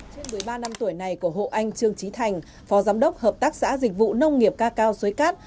trên một mươi ba năm tuổi này của hộ anh trương trí thành phó giám đốc hợp tác xã dịch vụ nông nghiệp ca cao xuế cát